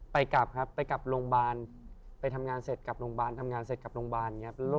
ไปกลับลงบานไปทำงานเสร็จกลับลงบาน